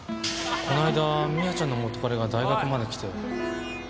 この間美亜ちゃんの元カレが大学まで来て。